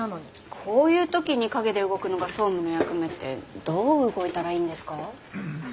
こういう時に陰で動くのが総務の役目ってどう動いたらいいんですか？